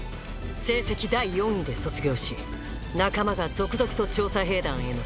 成績第４位で卒業し仲間が続々と調査兵団への所属を決断する中